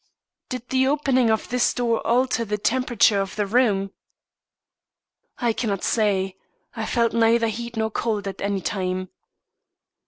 "Did the opening of this door alter the temperature of the room?" "I cannot say; I felt neither heat nor cold at any time."